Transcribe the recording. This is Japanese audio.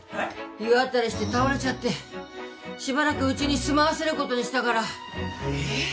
湯あたりして倒れちゃってしばらくうちに住まわせることにしたからええっ？